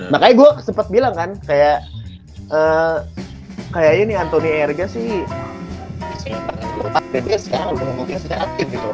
makanya gue sempet bilang kan kayak kayaknya nih anthony ayerga sih sekarang udah mungkin secara tim gitu loh